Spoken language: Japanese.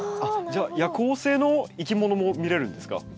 じゃあ夜行性のいきものも見れるんですか？